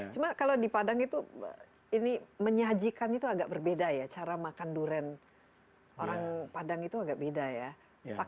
cuma kalau di padang itu ini menyajikan itu agak berbeda ya cara makan durian orang padang itu agak beda ya